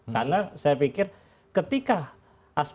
karena saya pikir ketika